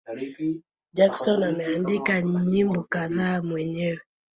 Jackson ameandika nyimbo kadhaa mwenyewe.